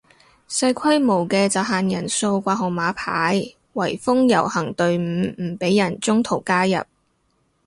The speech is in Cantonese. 細規模嘅就限人數掛號碼牌圍封遊行隊伍唔俾人中途加入